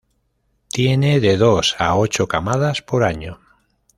Tienen de dos a ocho camadas por año.